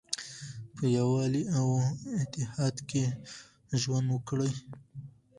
په یووالي او اتحاد کې ژوند وکړئ.